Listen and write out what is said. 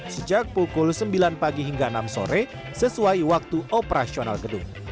sejak pukul sembilan pagi hingga enam sore sesuai waktu operasional gedung